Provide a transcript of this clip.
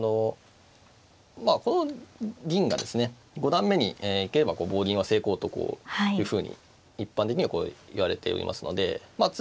まあこの銀がですね五段目に行けば棒銀は成功というふうに一般的にはいわれておりますのでまあ次にこう２四歩同歩